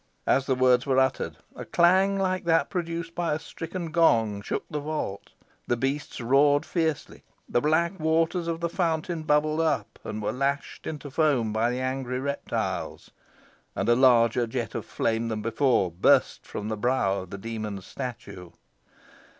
As the words were uttered, a clang like that produced by a stricken gong shook the vault; the beasts roared fiercely; the black waters of the fountain bubbled up, and were lashed into foam by the angry reptiles; and a larger jet of flame than before burst from the brow of the demon statue.